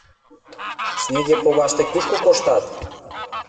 — Снеге погаш тый кушко коштат?